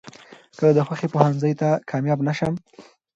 ،که د خوښې پوهنځۍ ته کاميابه نشم.